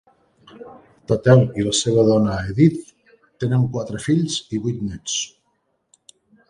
Tatel i la seva dona Edith tenen quatre fills i vuit nets.